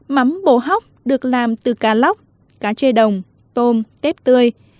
mắm bổ hóc được làm từ cá lóc cá chê đồng tôm tép tươi